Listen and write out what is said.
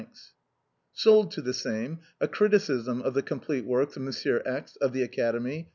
*' Sold to the same, a criticism of the complete works of M, X , of the Academy.